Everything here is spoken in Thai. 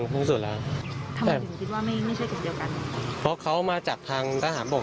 เพราะเขามาจากทางพหารบ่ม